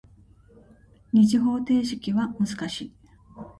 二次方程式は難しい。